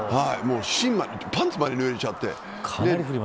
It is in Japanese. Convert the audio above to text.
パンツまでぬれちゃって。